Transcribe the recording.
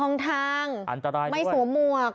ไม่มองทางอันตรายด้วยไม่สวมวก